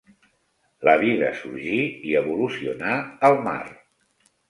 La vida sorgí i evolucionà al mar.